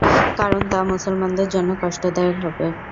কারণ তা মুসলমানদের জন্য কষ্টদায়ক হবে।